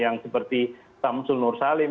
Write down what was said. yang seperti samsul nur salim